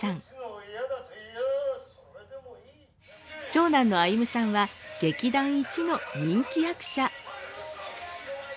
長男の歩さんは劇団一の人気役者。